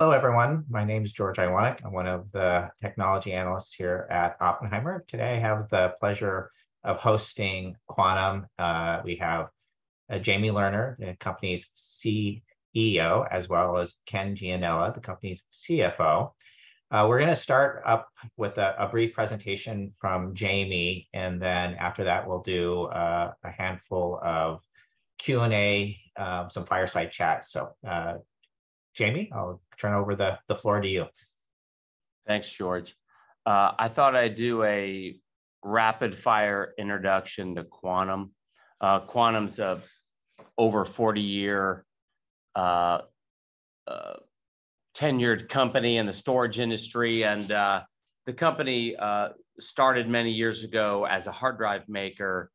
Hello, everyone. My name is George Iwanyc. I'm one of the technology analysts here at Oppenheimer. Today, I have the pleasure of hosting Quantum. We have Jamie Lerner, the company's CEO, as well as Ken Gianella, the company's CFO. We're gonna start up with a, a brief presentation from Jamie, and then after that, we'll do a handful of Q&A, some fireside chat. Jamie, I'll turn over the, the floor to you. Thanks, George. I thought I'd do a rapid-fire introduction to Quantum. Quantum's a over 40-year tenured company in the storage industry, and the company started many years ago as a hard drive maker,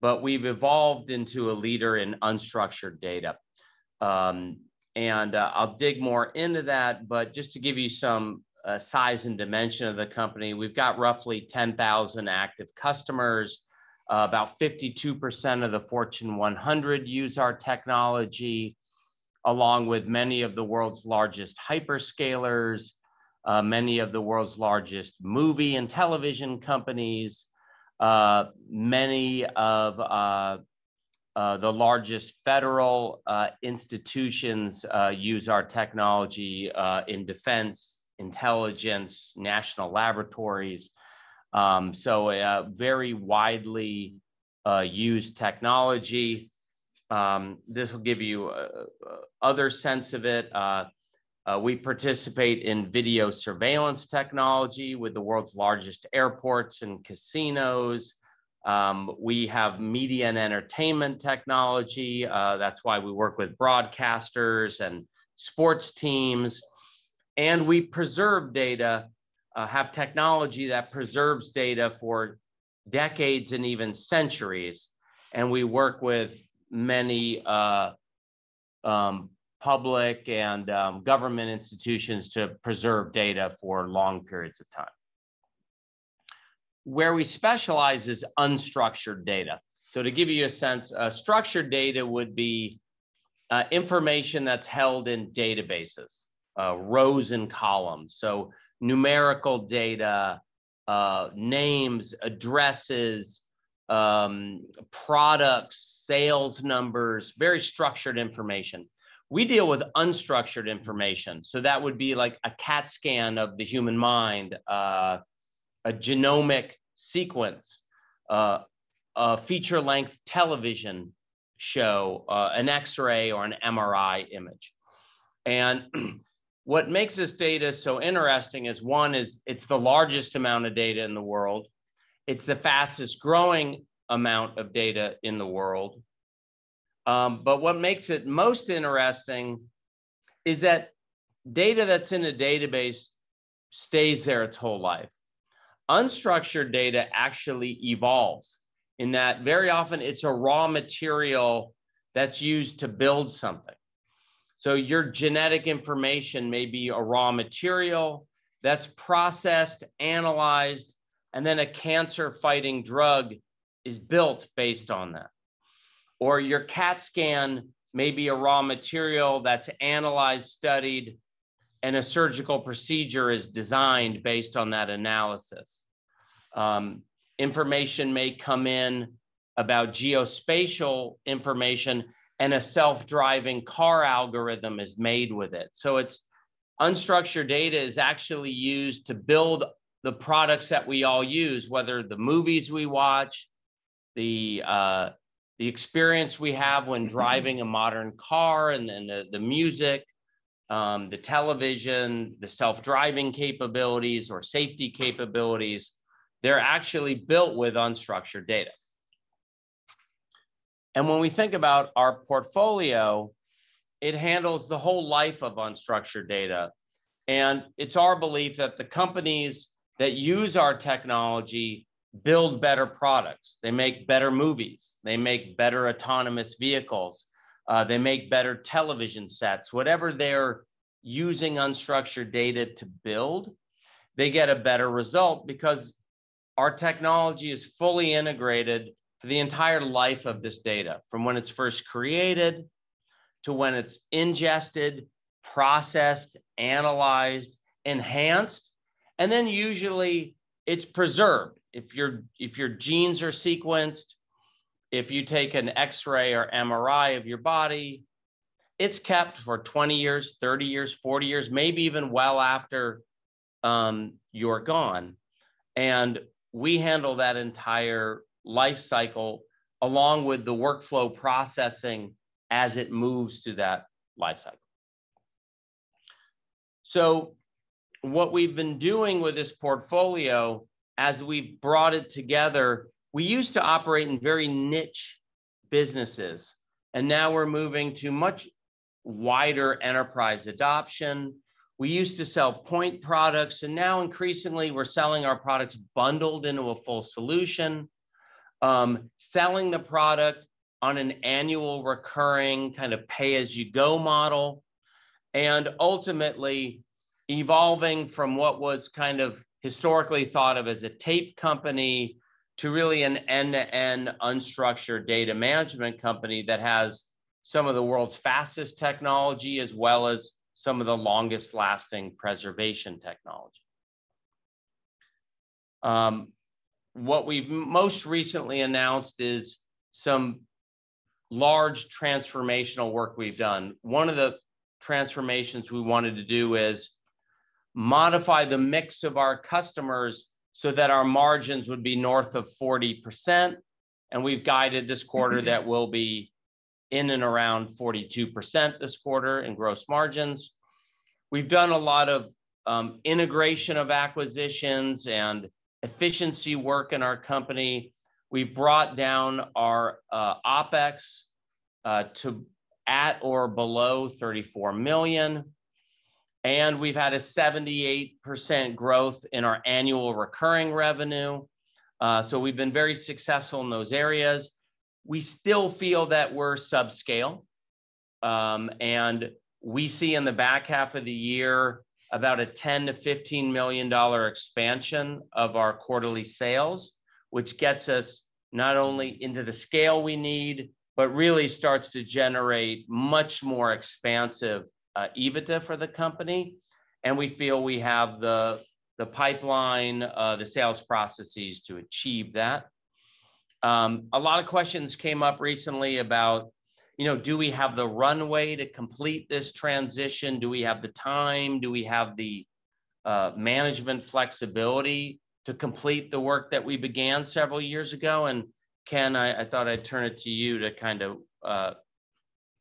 but we've evolved into a leader in unstructured data. I'll dig more into that, but just to give you some size and dimension of the company, we've got roughly 10,000 active customers. About 52% of the Fortune 100 use our technology, along with many of the world's largest hyperscalers, many of the world's largest movie and television companies. Many of the largest federal institutions use our technology in defense, intelligence, national laboratories. A very widely used technology. This will give you other sense of it. We participate in video surveillance technology with the world's largest airports and casinos. We have media and entertainment technology, that's why we work with broadcasters and sports teams. We preserve data, have technology that preserves data for decades and even centuries, and we work with many public and government institutions to preserve data for long periods of time. Where we specialize is unstructured data. To give you a sense, structured data would be information that's held in databases, rows and columns, numerical data, names, addresses, products, sales numbers, very structured information. We deal with unstructured information, that would be like a CAT scan of the human mind, a genomic sequence, a feature-length television show, an X-ray or an MRI image. What makes this data so interesting is, one, is it's the largest amount of data in the world. It's the fastest-growing amount of data in the world. What makes it most interesting is that data that's in a database stays there its whole life. Unstructured data actually evolves, in that very often it's a raw material that's used to build something. Your genetic information may be a raw material that's processed, analyzed, and then a cancer-fighting drug is built based on that. Your CAT scan may be a raw material that's analyzed, studied, and a surgical procedure is designed based on that analysis. Information may come in about geospatial information, and a self-driving car algorithm is made with it. Unstructured data is actually used to build the products that we all use, whether the movies we watch, the experience we have when driving a modern car, and then the music, the television, the self-driving capabilities or safety capabilities, they're actually built with unstructured data. When we think about our portfolio, it handles the whole life of unstructured data, and it's our belief that the companies that use our technology build better products. They make better movies. They make better autonomous vehicles. They make better television sets. Whatever they're using unstructured data to build, they get a better result because our technology is fully integrated for the entire life of this data, from when it's first created to when it's ingested, processed, analyzed, enhanced, and then usually it's preserved. If your genes are sequenced, if you take an X-ray or MRI of your body, it's kept for 20 years, 30 years, 40 years, maybe even well after, you're gone. We handle that entire life cycle, along with the workflow processing as it moves through that life cycle. What we've been doing with this portfolio as we've brought it together, we used to operate in very niche businesses, and now we're moving to much wider enterprise adoption. We used to sell point products, and now increasingly, we're selling our products bundled into a full solution. Selling the product on an annual recurring, kind of pay-as-you-go model, and ultimately evolving from what was kind of historically thought of as a tape company to really an end-to-end unstructured data management company that has some of the world's fastest technology, as well as some of the longest-lasting preservation technology. What we've most recently announced is some large transformational work we've done. One of the transformations we wanted to do is modify the mix of our customers so that our margins would be north of 40%, and we've guided this quarter that we'll be in and around 42% this quarter in gross margins. We've done a lot of integration of acquisitions and efficiency work in our company. We've brought down our OPEX to at or below $34 million, and we've had a 78% growth in our annual recurring revenue. We've been very successful in those areas. We still feel that we're subscale, and we see in the back half of the year about a $10 million-$15 million expansion of our quarterly sales, which gets us not only into the scale we need, but really starts to generate much more expansive EBITDA for the company, and we feel we have the pipeline, the sales processes to achieve that. A lot of questions came up recently about, you know, do we have the runway to complete this transition? Do we have the time? Do we have the management flexibility to complete the work that we began several years ago? Ken, I, I thought I'd turn it to you to kind of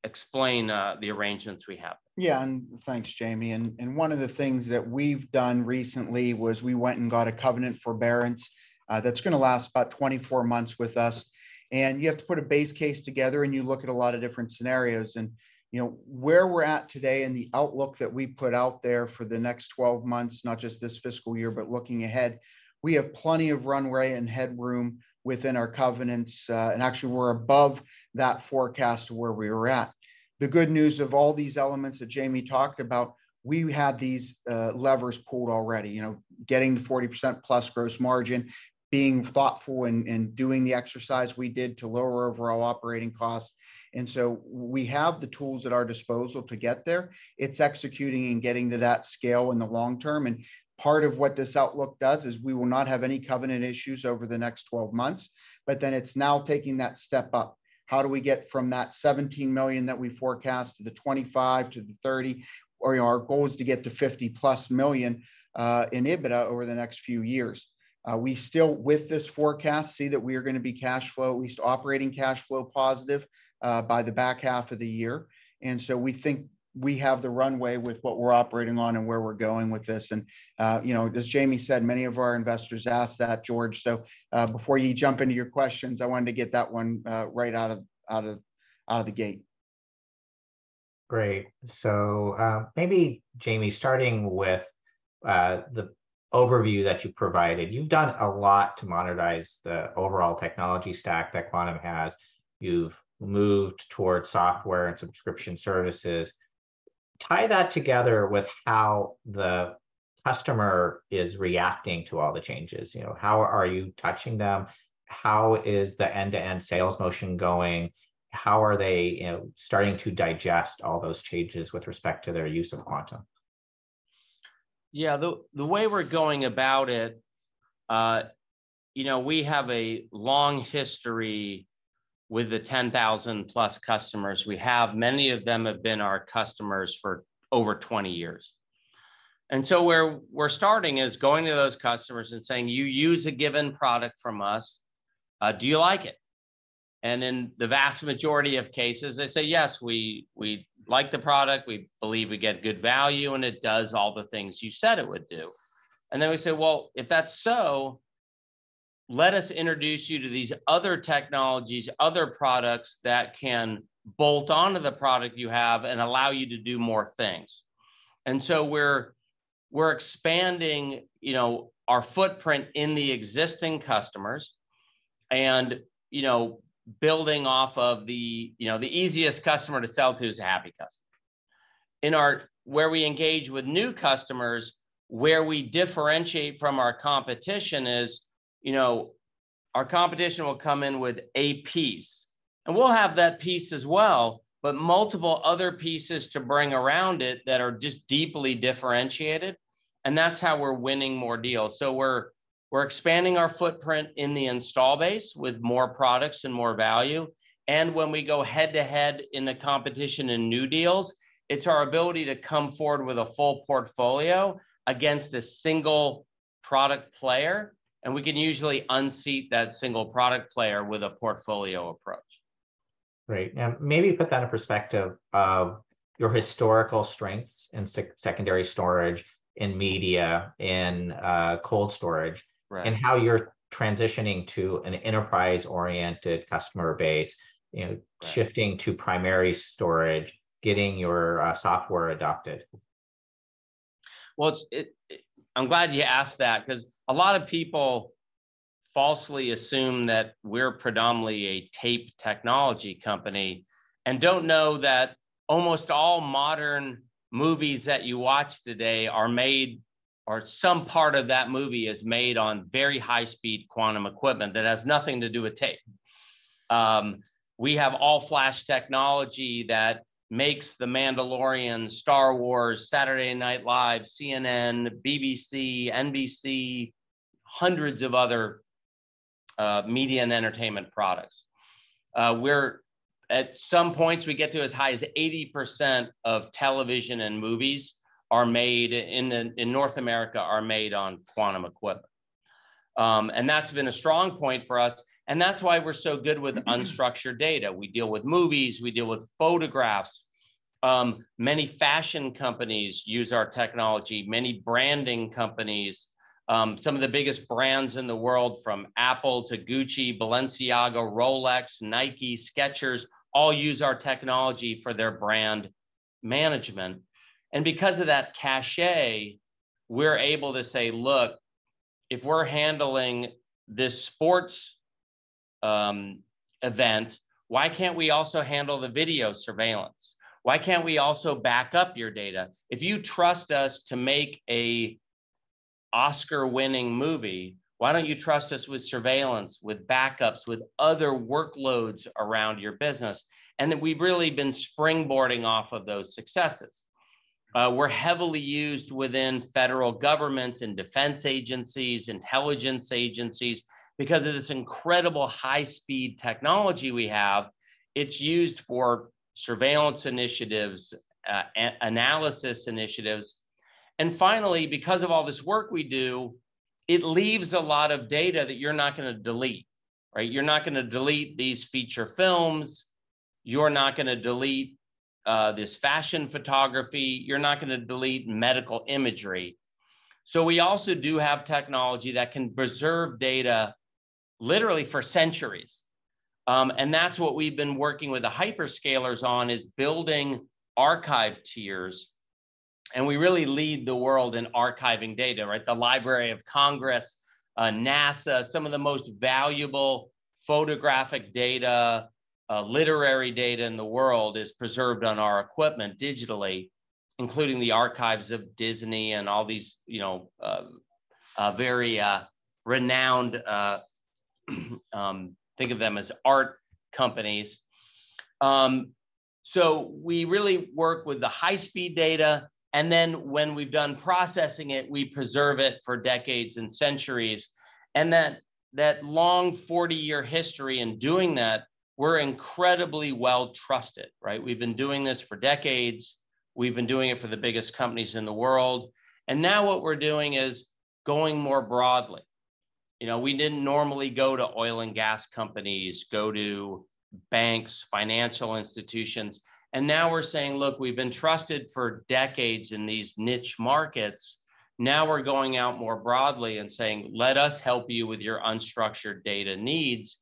explain the arrangements we have. Yeah, and thanks, Jamie. One of the things that we've done recently was we went and got a covenant forbearance, that's gonna last about 24 months with us. You have to put a base case together, and you look at a lot of different scenarios, and, you know, where we're at today and the outlook that we put out there for the next 12 months, not just this fiscal year, but looking ahead, we have plenty of runway and headroom within our covenants, actually we're above that forecast to where we're at. The good news of all these elements that Jamie talked about, we had these levers pulled already. You know, getting 40%+ gross margin, being thoughtful and in doing the exercise we did to lower overall operating costs, and so we have the tools at our disposal to get there. It's executing and getting to that scale in the long term. Part of what this outlook does is we will not have any covenant issues over the next 12 months. Then it's now taking that step up. How do we get from that $17 million that we forecast to the $25 million, to the $30 million, you know, our goal is to get to $50+ million in EBITDA over the next few years. We still, with this forecast, see that we are gonna be cashflow, at least operating cashflow positive, by the back half of the year. So we think we have the runway with what we're operating on and where we're going with this. You know, as Jamie said, many of our investors asked that, George, so, before you jump into your questions, I wanted to get that one, right out of the gate. Great. Maybe Jamie, starting with the overview that you provided, you've done a lot to monetize the overall technology stack that Quantum has. You've moved towards software and subscription services. Tie that together with how the customer is reacting to all the changes. You know, how are you touching them? How is the end-to-end sales motion going? How are they, you know, starting to digest all those changes with respect to their use of Quantum? Yeah, the, the way we're going about it, you know, we have a long history with the 10,000+ customers we have. Many of them have been our customers for over 20 years. Where we're starting is going to those customers and saying, "You use a given product from us, do you like it?" In the vast majority of cases, they say, "Yes, we, we like the product. We believe we get good value, and it does all the things you said it would do." We say, "Well, if that's so, let us introduce you to these other technologies, other products that can bolt on to the product you have and allow you to do more things." We're, we're expanding, you know, our footprint in the existing customers and, you know, building off of the, you know, the easiest customer to sell to is a happy customer. Where we engage with new customers, where we differentiate from our competition is, you know, our competition will come in with a piece, and we'll have that piece as well, but multiple other pieces to bring around it that are just deeply differentiated, and that's how we're winning more deals. We're expanding our footprint in the install base with more products and more value, and when we go head-to-head in the competition in new deals, it's our ability to come forward with a full portfolio against a single product player, and we can usually unseat that single product player with a portfolio approach. Great. Maybe put that in perspective of your historical strengths in secondary storage, in media, in, Cold Storage. How you're transitioning to an enterprise-oriented customer base, you know, shifting to primary storage, getting your software adopted. Well, I'm glad you asked that, 'cause a lot of people falsely assume that we're predominantly a tape technology company and don't know that almost all modern movies that you watch today are made, or some part of that movie is made on very high-speed Quantum equipment that has nothing to do with tape. We have all-flash technology that makes The Mandalorian, Star Wars, Saturday Night Live, CNN, BBC, NBC, hundreds of other media and entertainment products. We get to as high as 80% of television and movies are made in North America, are made on Quantum equipment. That's been a strong point for us, and that's why we're so good with unstructured data. We deal with movies, we deal with photographs. Many fashion companies use our technology, many branding companies. Some of the biggest brands in the world, from Apple to Gucci, Balenciaga, Rolex, Nike, Skechers, all use our technology for their brand management. Because of that cachet, we're able to say, "Look, if we're handling this sports, event, why can't we also handle the video surveillance? Why can't we also back up your data? If you trust us to make a Oscar-winning movie, why don't you trust us with surveillance, with backups, with other workloads around your business?" We've really been springboarding off of those successes. We're heavily used within federal governments and defense agencies, intelligence agencies. Because of this incredible high-speed technology we have, it's used for surveillance initiatives, analysis initiatives. Finally, because of all this work we do, it leaves a lot of data that you're not gonna delete, right? You're not gonna delete these feature films, you're not gonna delete this fashion photography, you're not gonna delete medical imagery. We also do have technology that can preserve data literally for centuries. That's what we've been working with the hyperscalers on, is building archive tiers, and we really lead the world in archiving data, right? The Library of Congress, NASA, some of the most valuable photographic data, literary data in the world is preserved on our equipment digitally, including the archives of Disney and all these, you know, very renowned. Think of them as art companies. We really work with the high-speed data, and then when we've done processing it, we preserve it for decades and centuries. That, that long 40-year history in doing that, we're incredibly well-trusted, right? We've been doing this for decades. We've been doing it for the biggest companies in the world, and now what we're doing is going more broadly. You know, we didn't normally go to oil and gas companies, go to banks, financial institutions, and now we're saying: "Look, we've been trusted for decades in these niche markets." Now we're going out more broadly and saying, "Let us help you with your unstructured data needs."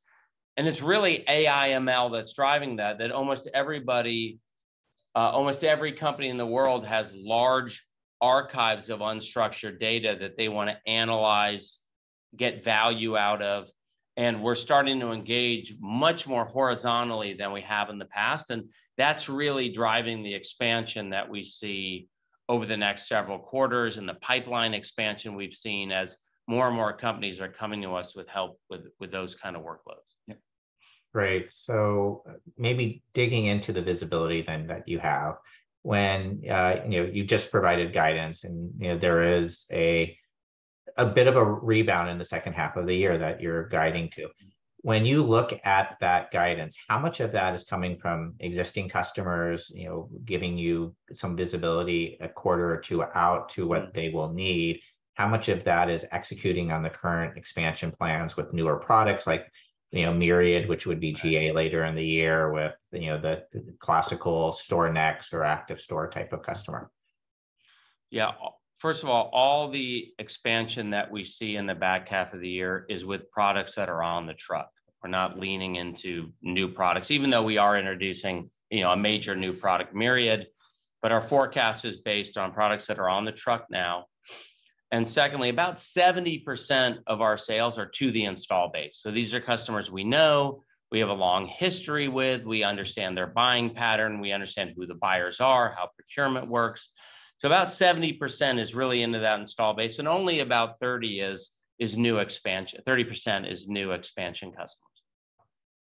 It's really AI ML that's driving that, that almost everybody, almost every company in the world has large archives of unstructured data that they wanna analyze, get value out of, and we're starting to engage much more horizontally than we have in the past, and that's really driving the expansion that we see over the next several quarters and the pipeline expansion we've seen as more and more companies are coming to us with help with, with those kind of workloads. Great. Maybe digging into the visibility then that you have, when, you know, you've just provided guidance and, you know, there is a, a bit of a rebound in the second half of the year that you're guiding to. When you look at that guidance, how much of that is coming from existing customers, you know, giving you some visibility a quarter or two out to what they will need? How much of that is executing on the current expansion plans with newer products like, you know, Myriad, which would be GA later in the year with, you know, the classical StorNext or ActiveScale type of customer? Yeah. First of all, all the expansion that we see in the back half of the year is with products that are on the truck. We're not leaning into new products, even though we are introducing, you know, a major new product, Myriad, but our forecast is based on products that are on the truck now. Secondly, about 70% of our sales are to the install base, so these are customers we know, we have a long history with, we understand their buying pattern, we understand who the buyers are, how procurement works. About 70% is really into that install base, and only about 30% is, is new expansion- 30% is new expansion customers.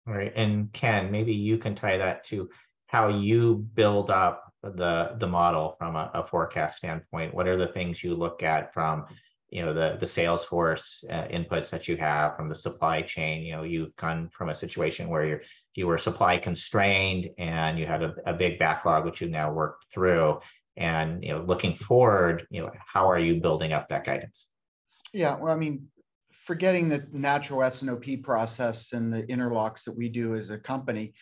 Right. Ken, maybe you can tie that to how you build up the model from a forecast standpoint. What are the things you look at from, you know, the sales force inputs that you have from the supply chain? You know, you've gone from a situation where you were supply-constrained, and you had a big backlog, which you've now worked through. You know, looking forward, you know, how are you building up that guidance? Yeah, well, I mean, forgetting the natural S&OP process and the interlocks that we do as a company,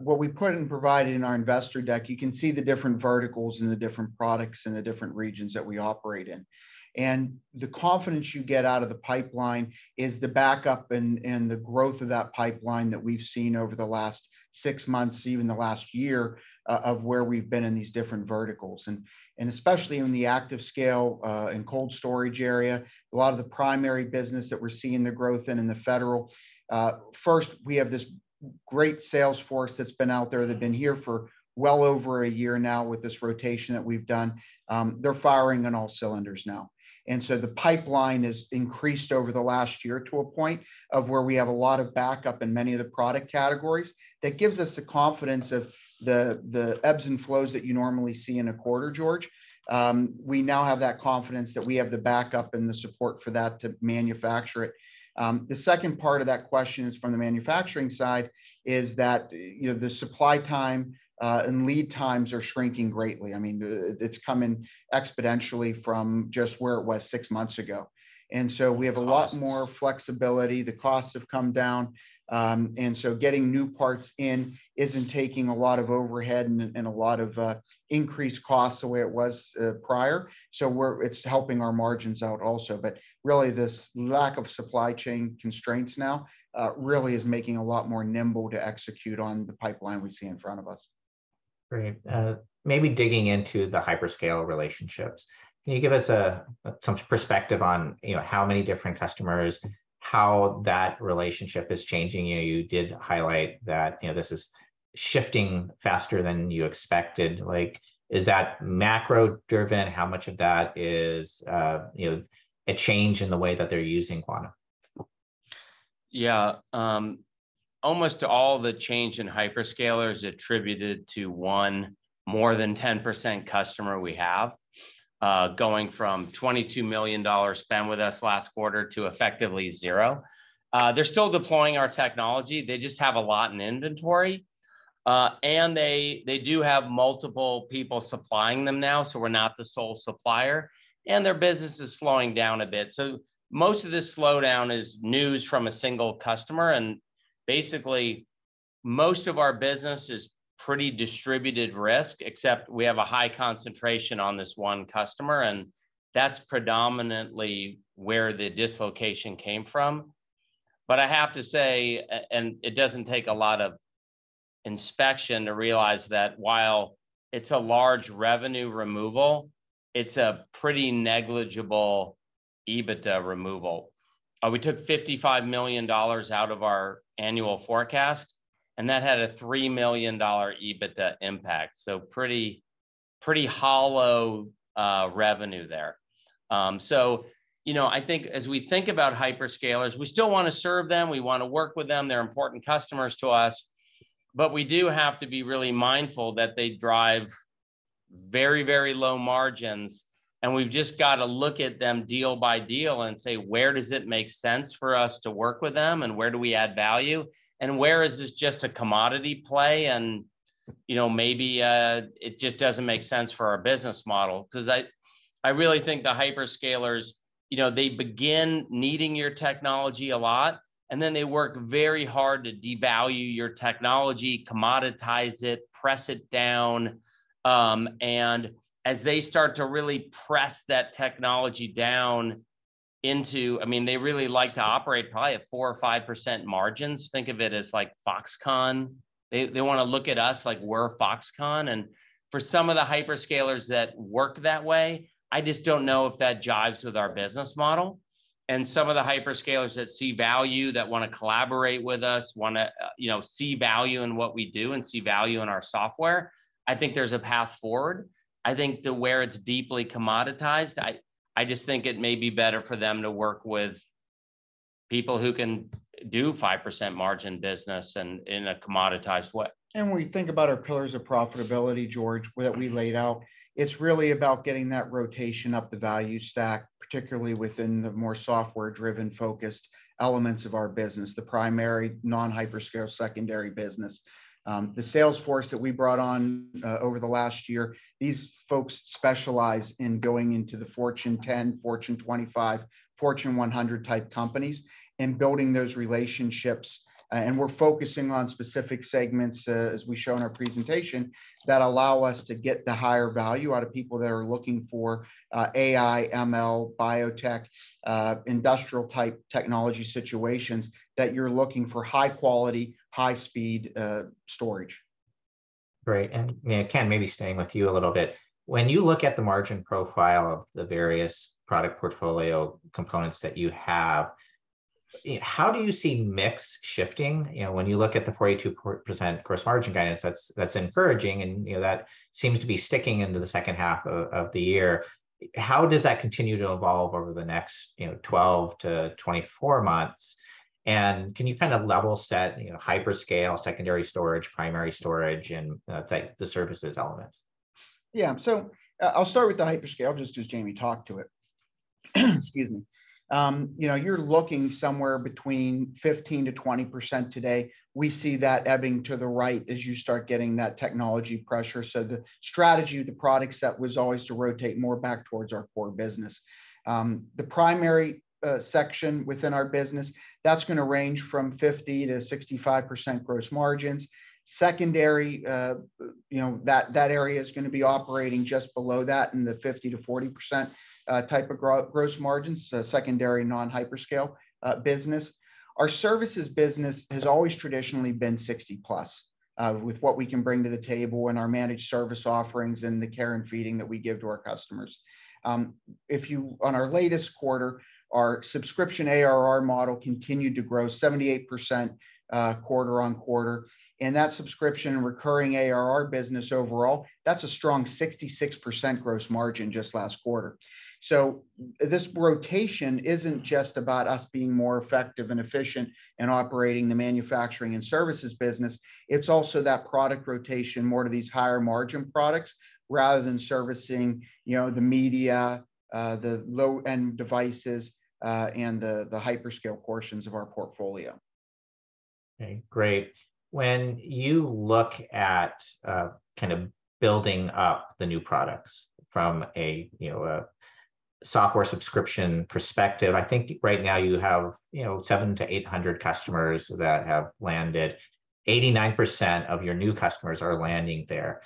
what we put and provided in our investor deck, you can see the different verticals and the different products and the different regions that we operate in. The confidence you get out of the pipeline is the backup and, and the growth of that pipeline that we've seen over the last six months, even the last year, of where we've been in these different verticals. Especially in the ActiveScale, and Cold Storage area, a lot of the primary business that we're seeing the growth in, in the federal. First, we have this great sales force that's been out there, that have been here for well over a year now with this rotation that we've done. They're firing on all cylinders now. The pipeline has increased over the last year to a point of where we have a lot of backup in many of the product categories. That gives us the confidence of the ebbs and flows that you normally see in a quarter, George. We now have that confidence that we have the backup and the support for that to manufacture it. The second part of that question is from the manufacturing side, is that, you know, the supply time and lead times are shrinking greatly. I mean, it's coming exponentially from just where it was 6 months ago. We have a lot more flexibility. The costs have come down, and so getting new parts in isn't taking a lot of overhead and a lot of increased costs the way it was, prior. It's helping our margins out also. Really, this lack of supply chain constraints now, really is making a lot more nimble to execute on the pipeline we see in front of us. Great. Maybe digging into the hyperscale relationships, can you give us a, some perspective on, you know, how many different customers, how that relationship is changing? You, you did highlight that, you know, this is shifting faster than you expected. Like, is that macro-driven? How much of that is, you know, a change in the way that they're using Quantum? Yeah, almost all the change in hyperscaler is attributed to one more than 10% customer we have, going from $22 million spent with us last quarter to effectively zero. They're still deploying our technology, they just have a lot in inventory. They, they do have multiple people supplying them now, so we're not the sole supplier, and their business is slowing down a bit. Most of this slowdown is news from a single customer, and basically, most of our business is pretty distributed risk, except we have a high concentration on this one customer, and that's predominantly where the dislocation came from. I have to say, it doesn't take a lot of inspection to realize, that while it's a large revenue removal, it's a pretty negligible EBITDA removal. We took $55 million out of our annual forecast, and that had a $3 million EBITDA impact. Pretty, pretty hollow revenue there. You know, I think as we think about hyperscalers, we still want to serve them, we want to work with them, they're important customers to us, but we do have to be really mindful that they drive very, very low margins. We've just got to look at them deal by deal and say: Where does it make sense for us to work with them, and where do we add value? Where is this just a commodity play and, you know, maybe it just doesn't make sense for our business model? 'Cause I, I really think the hyperscalers, you know, they begin needing your technology a lot, and then they work very hard to devalue your technology, commoditize it, press it down. As they start to really press that technology down into... I mean, they really like to operate probably at 4% or 5% margins. Think of it as like Foxconn. They, they want to look at us like we're Foxconn, and for some of the hyperscalers that work that way, I just don't know if that jives with our business model. Some of the hyperscalers that see value, that want to collaborate with us, want to, you know, see value in what we do and see value in our software, I think there's a path forward. I think to where it's deeply commoditized, I just think it may be better for them to work with people who can do 5% margin business in, in a commoditized way. When we think about our pillars of profitability, George, that we laid out, it's really about getting that rotation up the value stack, particularly within the more software-driven, focused elements of our business, the primary non-hyperscale secondary business. The sales force that we brought on over the last year, these folks specialize in going into the Fortune 10, Fortune 25, Fortune 100-type companies and building those relationships. And we're focusing on specific segments, as we show in our presentation, that allow us to get the higher value out of people that are looking for AI ML, biotech, industrial-type technology situations, that you're looking for high quality, high speed, storage. Great. Yeah, Ken, maybe staying with you a little bit. When you look at the margin profile of the various product portfolio components that you have, how do you see mix shifting? You know, when you look at the 42% gross margin guidance, that's, that's encouraging, and, you know, that seems to be sticking into the second half of the year. How does that continue to evolve over the next, you know, 12-24 months? Can you kind of level set, you know, hyperscale, secondary storage, primary storage, and the services elements? Yeah. I'll start with the hyperscale, just as Jamie talked to it. excuse me. You know, you're looking somewhere between 15%-20% today. We see that ebbing to the right as you start getting that technology pressure. The strategy of the product set was always to rotate more back towards our core business. The primary section within our business, that's gonna range from 50%-65% gross margins. Secondary, you know, that, that area is gonna be operating just below that in the 50%-40% type of gross margins, so secondary non-hyperscale business. Our services business has always traditionally been 60+, with what we can bring to the table in our managed services offerings and the care and feeding that we give to our customers. On our latest quarter, our subscription ARR model continued to grow 78% quarter-on-quarter. That subscription and recurring ARR business overall, that's a strong 66% gross margin just last quarter. This rotation isn't just about us being more effective and efficient in operating the manufacturing and services business, it's also that product rotation more to these higher margin products rather than servicing, you know, the media, the low-end devices, and the, the hyperscale portions of our portfolio. Okay, great. When you look at, kind of building up the new products from a, you know, a software subscription perspective, I think right now you have, you know, 700-800 customers that have landed. 89% of your new customers are landing there.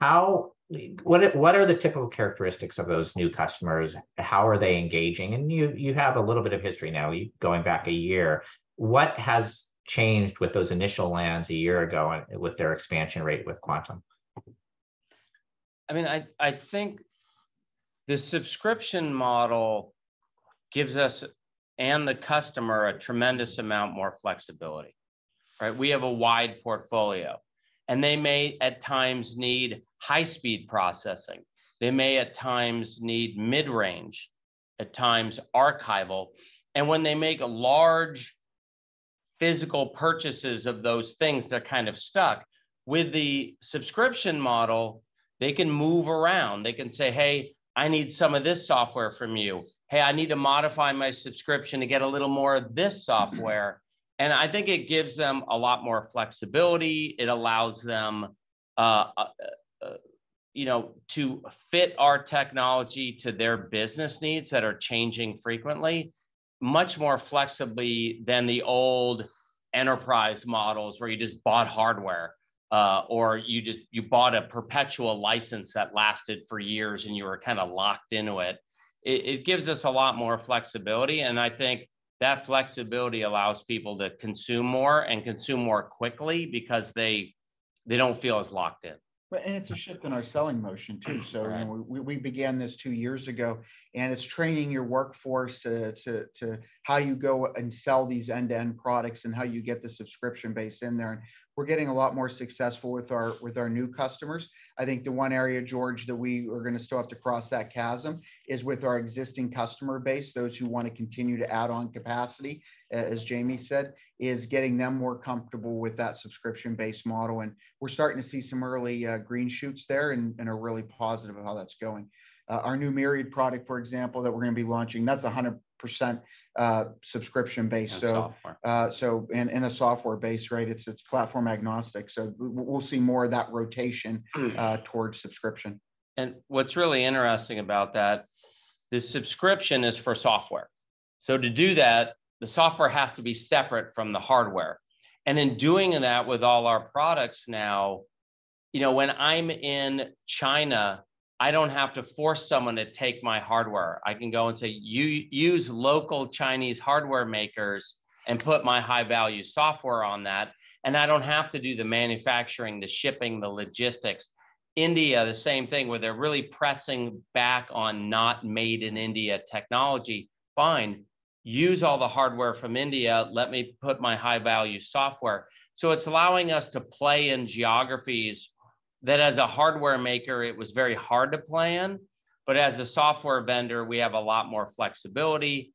What, what are the typical characteristics of those new customers? How are they engaging? You, you have a little bit of history now, you going back a year. What has changed with those initial lands a year ago and with their expansion rate with Quantum? I mean, I think the subscription model gives us and the customer a tremendous amount more flexibility, right? We have a wide portfolio, and they may, at times, need high-speed processing. They may, at times, need mid-range, at times, archival. When they make a large physical purchases of those things, they're kind of stuck. With the subscription model, they can move around. They can say, "Hey, I need some of this software from you. Hey, I need to modify my subscription to get a little more of this software." I think it gives them a lot more flexibility. It allows them, you know, to fit our technology to their business needs that are changing frequently, much more flexibly than the old enterprise models, where you bought hardware, or you bought a perpetual license that lasted for years, and you were kind of locked into it. It, it gives us a lot more flexibility, and I think that flexibility allows people to consume more and consume more quickly because they, they don't feel as locked in. It's a shift in our selling motion, too. Right. I mean, we, we began this two years ago, and it's training your workforce to how you go and sell these end-to-end products and how you get the subscription base in there. We're getting a lot more successful with our, with our new customers. I think the one area, George, that we are gonna still have to cross that chasm is with our existing customer base, those who wanna continue to add on capacity as Jamie said, is getting them more comfortable with that subscription-based model, and we're starting to see some early green shoots there and, and are really positive of how that's going. Our new Myriad product, for example, that we're gonna be launching, that's 100% subscription-based. Software. So, and in a software base, right? It's, it's platform agnostic, we'll see more of that rotation towards subscription. What's really interesting about that, the subscription is for software. To do that, the software has to be separate from the hardware. In doing that with all our products now, you know, when I'm in China, I don't have to force someone to take my hardware. I can go and say, "You use local Chinese hardware makers," and put my high-value software on that, and I don't have to do the manufacturing, the shipping, the logistics. India, the same thing, where they're really pressing back on not-made-in-India technology. Fine, use all the hardware from India. Let me put my high-value software. It's allowing us to play in geographies that, as a hardware maker, it was very hard to play in, but as a software vendor, we have a lot more flexibility.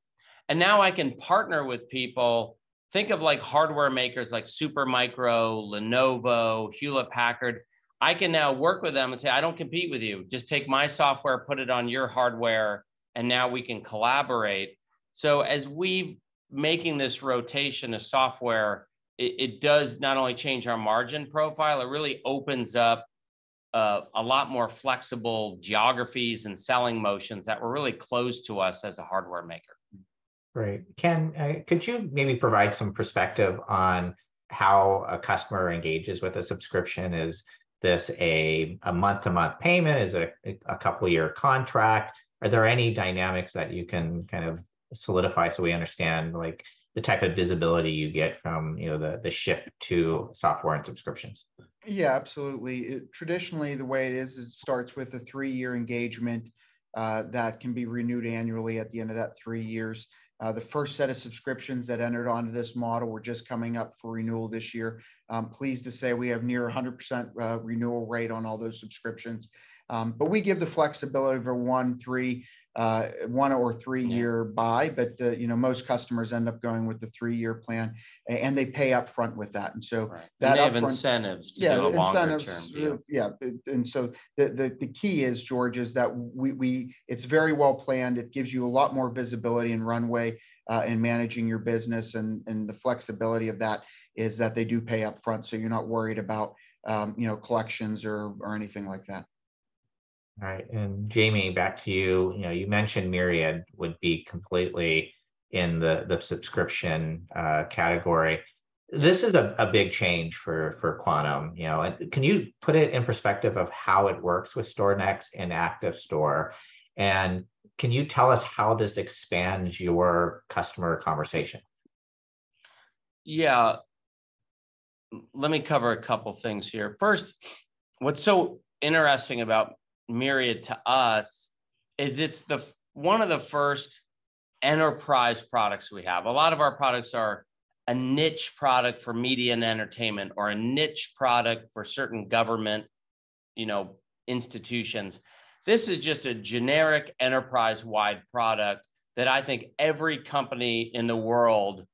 Now I can partner with people. Think of like hardware makers, like Supermicro, Lenovo, Hewlett-Packard. I can now work with them and say: I don't compete with you. Just take my software, put it on your hardware, and now we can collaborate. As we making this rotation to software, it, it does not only change our margin profile, it really opens up a lot more flexible geographies and selling motions that were really closed to us as a hardware maker. Right. Ken, could you maybe provide some perspective on how a customer engages with a subscription? Is this a, a month-to-month payment? Is it a, a couple-year contract? Are there any dynamics that you can kind of solidify so we understand, like, the type of visibility you get from, you know, the, the shift to software and subscriptions? Yeah, absolutely. It traditionally, the way it is, it starts with a three-year engagement, that can be renewed annually at the end of that three years. The first set of subscriptions that entered onto this model were just coming up for renewal this year. I'm pleased to say we have near a 100%, renewal rate on all those subscriptions. We give the flexibility for one, three, one or three-year buy, but, you know, most customers end up going with the three-year plan, and they pay up front with that. Right. We have incentives to do longer term. Yeah. So the key is, George, is that it's very well planned. It gives you a lot more visibility and runway in managing your business, and the flexibility of that is that they do pay up front, so you're not worried about, you know, collections or anything like that. All right, and Jamie, back to you. You know, you mentioned Myriad would be completely in the, the subscription category. This is a, a big change for, for Quantum, you know, and can you put it in perspective of how it works with StorNext and ActiveScale, and can you tell us how this expands your customer conversation? Yeah. Let me cover a couple things here. First, what's so interesting about Myriad to us is it's one of the first enterprise products we have. A lot of our products are a niche product for media and entertainment or a niche product for certain government, you know, institutions. This is just a generic enterprise-wide product that I think every company in the world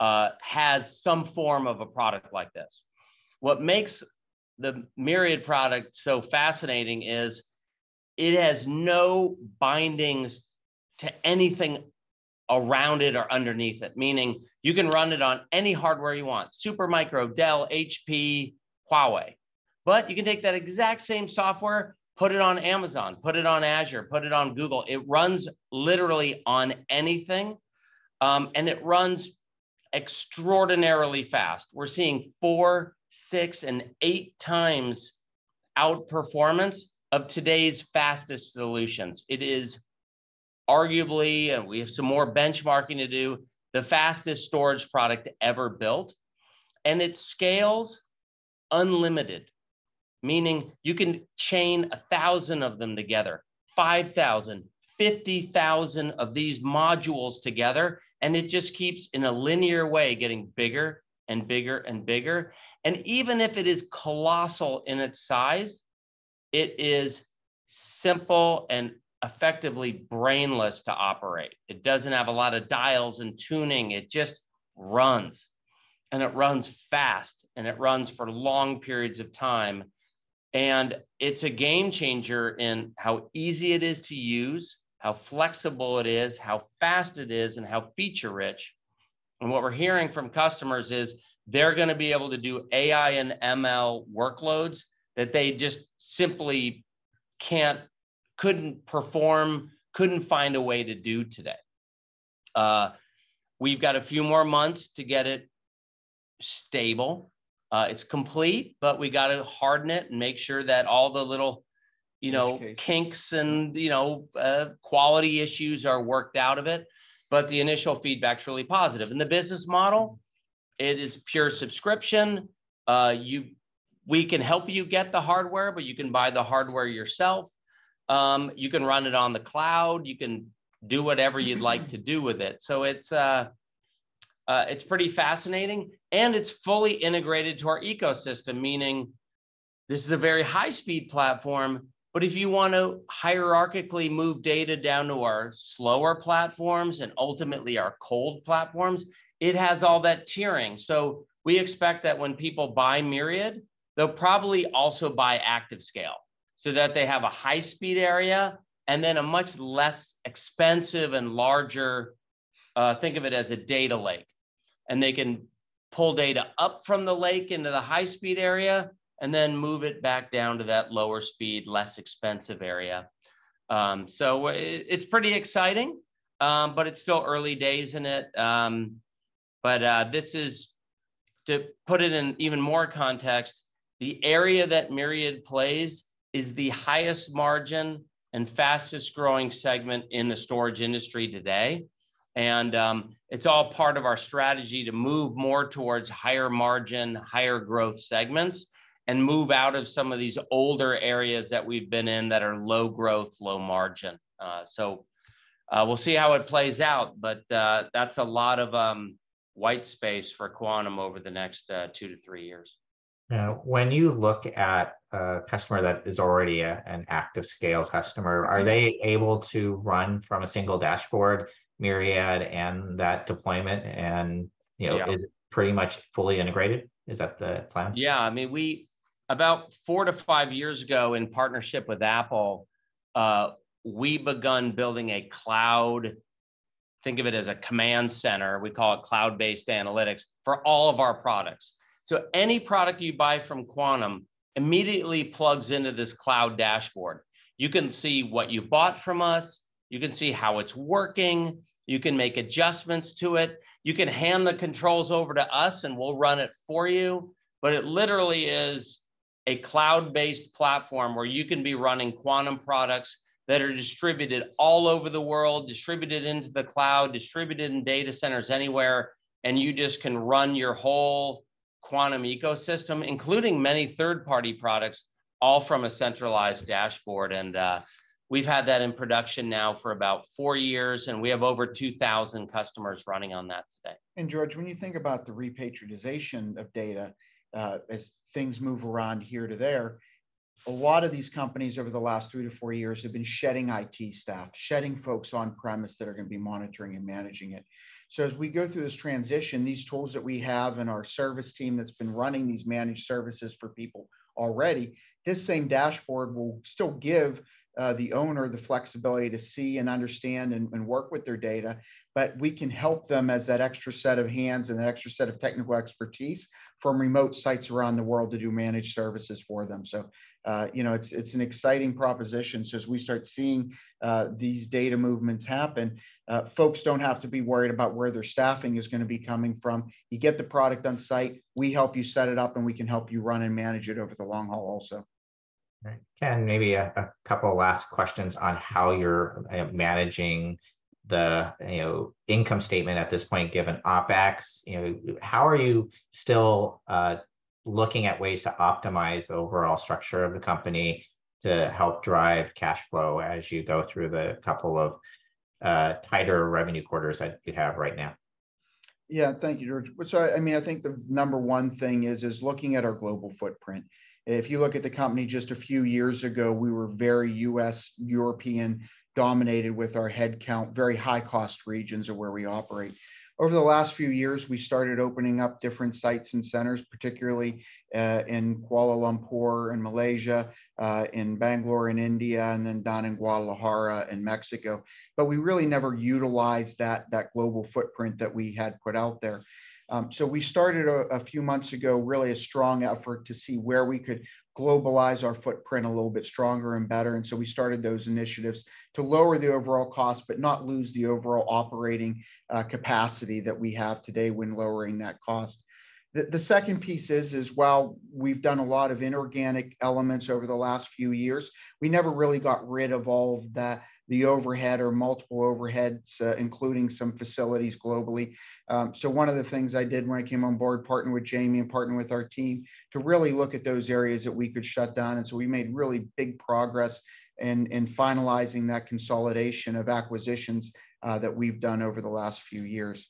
has some form of a product like this. What makes the Myriad product so fascinating is it has no bindings to anything around it or underneath it, meaning you can run it on any hardware you want, Supermicro, Dell, HP, Huawei. You can take that exact same software, put it on Amazon, put it on Azure, put it on Google. It runs literally on anything, and it runs extraordinarily fast. We're seeing four, six, and eight times outperformance of today's fastest solutions. It is arguably, and we have some more benchmarking to do, the fastest storage product ever built, and it scales unlimited, meaning you can chain 1,000 of them together, 5,000, 50,000 of these modules together, and it just keeps, in a linear way, getting bigger and bigger and bigger. Even if it is colossal in its size, it is simple and effectively brainless to operate. It doesn't have a lot of dials and tuning, it just runs, and it runs fast, and it runs for long periods of time. It's a game-changer in how easy it is to use, how flexible it is, how fast it is, and how feature-rich. What we're hearing from customers is they're gonna be able to do AI and ML workloads that they just simply can't, couldn't perform, couldn't find a way to do today. We've got a few more months to get it stable. It's complete, but we gotta harden it and make sure that all the little, you know, kinks and, you know, quality issues are worked out of it, but the initial feedback's really positive. The business model, it is pure subscription. We can help you get the hardware, but you can buy the hardware yourself. You can run it on the cloud. You can do whatever you'd like to do with it. It's pretty fascinating, and it's fully integrated to our ecosystem, meaning this is a very high-speed platform, but if you wanna hierarchically move data down to our slower platforms and ultimately our cold platforms, it has all that tiering. We expect that when people buy Myriad, they'll probably also buy ActiveScale, so that they have a high-speed area and then a much less expensive and larger, think of it as a data lake. They can pull data up from the lake into the high-speed area and then move it back down to that lower-speed, less expensive area. It's pretty exciting, but it's still early days in it. This is, to put it in even more context, the area that Myriad plays is the highest margin and fastest-growing segment in the storage industry today. It's all part of our strategy to move more towards higher margin, higher growth segments, and move out of some of these older areas that we've been in that are low growth, low margin. We'll see how it plays out, but that's a lot of white space for Quantum over the next two to three years. Now, when you look at a customer that is already an ActiveScale customer, are they able to run from a single dashboard, Myriad and that deployment, and, you know, is it pretty much fully integrated? Is that the plan? Yeah, I mean, we, about four to five years ago, in partnership with Apple, we begun building a cloud, think of it as a command center, we call it Cloud-Based Analytics, for all of our products. Any product you buy from Quantum immediately plugs into this cloud dashboard. You can see what you've bought from us, you can see how it's working, you can make adjustments to it. You can hand the controls over to us, and we'll run it for you. It literally is a cloud-based platform where you can be running Quantum products that are distributed all over the world, distributed into the cloud, distributed in data centers anywhere, and you just can run your whole Quantum ecosystem, including many third-party products, all from a centralized dashboard. We've had that in production now for about four years, and we have over 2,000 customers running on that today. George, when you think about the repatriation of data, as things move around here to there, a lot of these companies over the last three to four years have been shedding IT staff, shedding folks on premise that are gonna be monitoring and managing it. As we go through this transition, these tools that we have and our service team that's been running these managed services for people already, this same dashboard will still give the owner the flexibility to see and understand and work with their data. We can help them as that extra set of hands and that extra set of technical expertise from remote sites around the world to do managed services for them. You know, it's an exciting proposition. As we start seeing, these data movements happen, folks don't have to be worried about where their staffing is gonna be coming from. You get the product on site, we help you set it up, and we can help you run and manage it over the long haul also. Right. Ken, maybe a, a couple last questions on how you're managing the, you know, income statement at this point, given OpEx. You know, how are you still looking at ways to optimize the overall structure of the company to help drive cash flow as you go through the couple of tighter revenue quarters that you have right now? Yeah. Thank you, George. I mean, I think the number one thing is, is looking at our global footprint. If you look at the company just a few years ago, we were very U.S., European-dominated, with our headcount, very high-cost regions of where we operate. Over the last few years, we started opening up different sites and centers, particularly in Kuala Lumpur, in Malaysia, in Bangalore, in India, and then down in Guadalajara, in Mexico, but we really never utilized that, that global footprint that we had put out there. We started a few months ago, really a strong effort to see where we could globalize our footprint a little bit stronger and better. We started those initiatives to lower the overall cost, but not lose the overall operating capacity that we have today when lowering that cost. The second piece is, while we've done a lot of inorganic elements over the last few years, we never really got rid of all of the overhead or multiple overheads, including some facilities globally. One of the things I did when I came on board, partnering with Jamie and partnering with our team, to really look at those areas that we could shut down. We made really big progress in finalizing that consolidation of acquisitions that we've done over the last few years.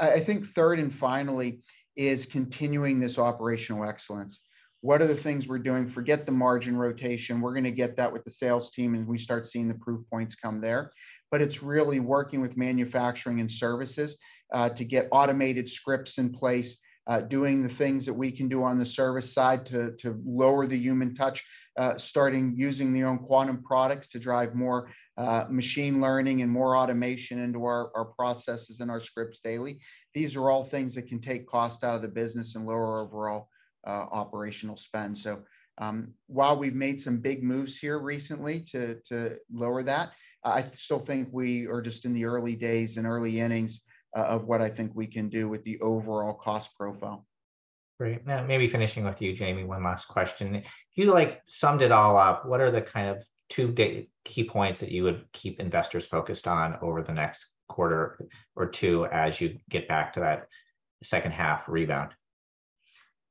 I think third and finally is continuing this operational excellence. What are the things we're doing? Forget the margin rotation. We're gonna get that with the sales team, and we start seeing the proof points come there. It's really working with manufacturing and services, to get automated scripts in place, doing the things that we can do on the service side to, to lower the human touch, starting using the own Quantum products to drive more, machine learning and more automation into our, our processes and our scripts daily. These are all things that can take cost out of the business and lower overall, operational spend. While we've made some big moves here recently to, to lower that, I still think we are just in the early days and early innings, of what I think we can do with the overall cost profile. Great. Maybe finishing with you, Jamie, one last question. If you, like, summed it all up, what are the kind of two big key points that you would keep investors focused on over the next quarter or two as you get back to that second half rebound?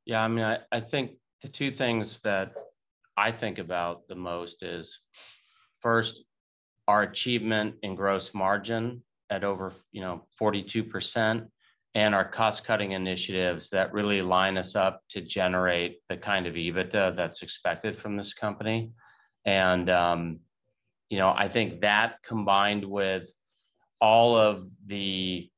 Yeah, I mean, I, I think the two things that I think about the most is, first, our achievement in gross margin at over you know, 42%, and our cost-cutting initiatives that really line us up to generate the kind of EBITDA that's expected from this company. You know, I think that, combined with all of the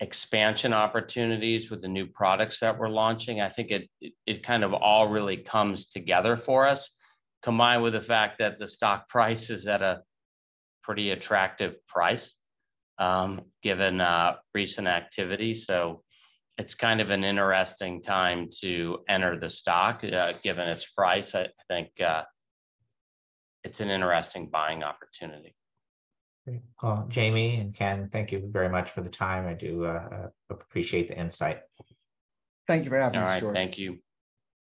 expansion opportunities with the new products that we're launching, I think it, it kind of all really comes together for us, combined with the fact that the stock price is at a pretty attractive price, given, recent activity. It's kind of an interesting time to enter the stock, given its price. I think, it's an interesting buying opportunity. Great. Well, Jamie and Ken, thank you very much for the time. I do appreciate the insight. Thank you for having us, George. All right. Thank you.